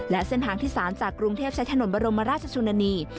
และเส้นทางที่๓จากกรุงเทพใช้ถนนบรมราชชนนานี